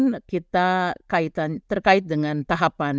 kemudian kita terkait dengan tahapan